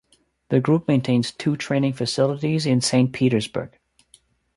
The group maintains two training facilities in Saint Petersburg.